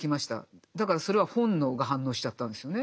だからそれは本能が反応しちゃったんですよね。